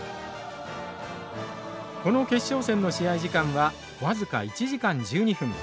この決勝戦の試合時間は僅か１時間１２分。